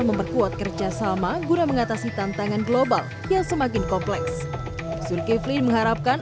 memperkuat kerjasama guna mengatasi tantangan global yang semakin kompleks zulkifli mengharapkan